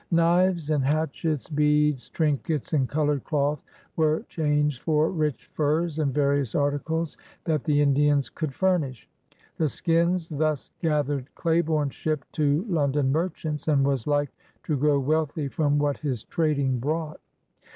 Knives and hatch ets, beads, trinkets, and colored cloth were changed for rich furs and various articles that the Indi ans could furnish. The skins thus gathered Clai borne shipped to London merchants, and was like to grow wealthy from what his trading brought.